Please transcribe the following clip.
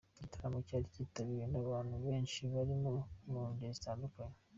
Igitaramo cyari kitabiriwe n'abantu benshi bari mu ngeri zitandukanye.